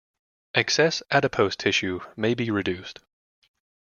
Excess adipose tissue may be reduced.